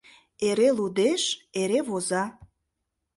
Эре лудеш, эре воза.